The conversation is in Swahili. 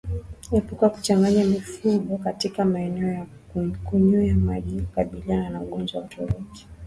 Epuka kuchanganya mifugo katika maeneo ya kunywea maji kukabiliana na ugonjwa wa ukurutu